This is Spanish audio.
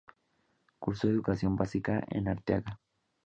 Cursó educación básica en Arteaga.